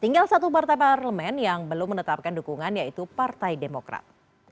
tinggal satu partai parlemen yang belum menetapkan dukungan yaitu partai demokrat